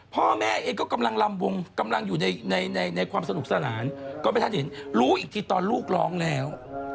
พ่อแม่เองก็กำลังลำวงกำลังอยู่ในความสนุกสนานก็ไม่ทันเห็นรู้อีกทีตอนลูกร้องแล้ว